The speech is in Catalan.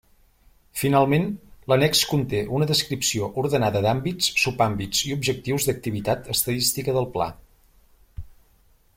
Finalment, l'annex conté una descripció ordenada d'àmbits, subàmbits i objectius d'activitat estadística del Pla.